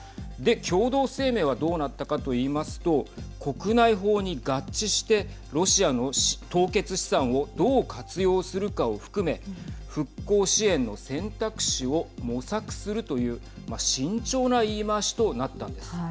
共同声明はどうなったかといいますと国内法に合致してロシアの凍結資産をどう活用するかを含め復興支援の選択肢を模索するという慎重な言い回しとなったんです。